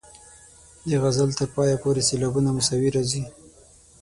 د غزل تر پایه پورې سېلابونه مساوي راځي.